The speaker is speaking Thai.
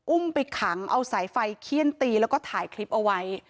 อุ้มไปขังเอาสายไฟเขี้ยนตีแล้วก็ถ่ายคลิปเอาไว้